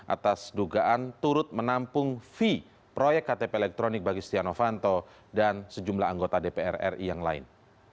atas dugaan turut menampung fee proyek ktp elektronik bagi setia novanto dan sejumlah anggota dpr ri yang lain